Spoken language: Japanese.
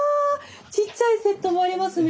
ちっちゃいセットもありますね！